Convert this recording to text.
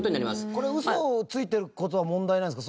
これウソをついてる事は問題ないんですか？